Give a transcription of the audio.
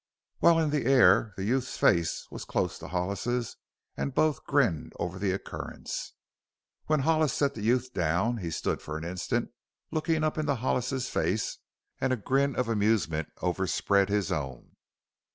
While in the air the youth's face was close to Hollis's and both grinned over the occurrence. When Hollis set the youth down he stood for an instant, looking up into Hollis's face and a grin of amusement overspread his own.